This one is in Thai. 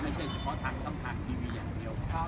ไม่ใช่เฉพาะทางต่อบทางทีวีอย่างเดียว